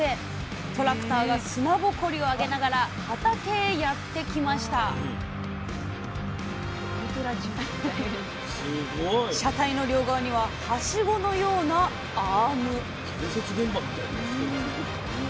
トラクターが砂ぼこりをあげながら畑へやって来ました車体の両側にはハシゴのようなアーム建設現場みたいになってる。